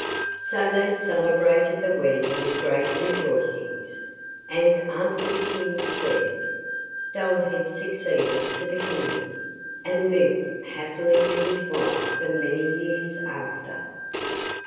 So they celebrated the wedding with great rejoicings; and after the King's death Dullhead succeeded to the kingdom, and lived happily with his wife for many years after.